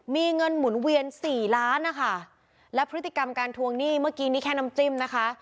มีเงินหมุนเวียนสี่ล้านนะคะและพฤติกรรมการทวงหนี้เมื่อกี้นี่แค่น้ำจิ้มนะคะ